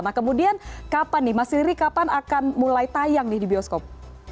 nah kemudian kapan nih mas liri kapan akan mulai tayang nih di bioskop